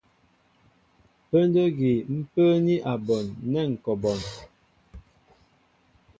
Pə́ndə́ ígí ḿ pə́ə́ní a bon nɛ́ ŋ̀ kɔ a bon.